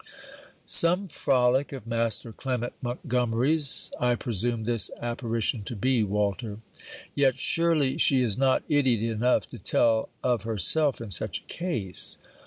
Some frolic of master Clement Montgomery's, I presume this apparition to be, Walter. Yet, surely she is not idiot enough to tell of herself in such a case!